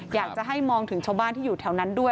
อยากจะให้มองถึงชาวบ้านที่อยู่แถวนั้นด้วย